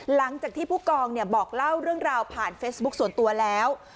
หลังจากที่ผู้กองบอกเล่าเรื่องราวผ่านเฟซบุ๊คส่วนตัวแล้ว